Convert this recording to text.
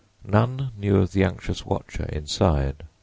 None knew of the anxious watcher inside.